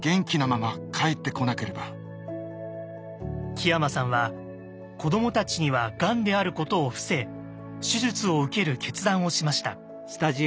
木山さんは子どもたちにはがんであることを伏せ手術を受ける決断をしました。